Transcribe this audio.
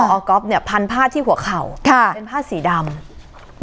เอาก๊อฟเนี่ยพันผ้าที่หัวเข่าค่ะเป็นผ้าสีดำ